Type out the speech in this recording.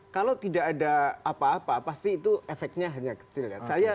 kalau tidak ada apa apa pasti itu efeknya hanya kecil kan